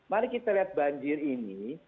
mari kita lihat banjir ini